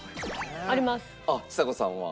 あっちさ子さんは。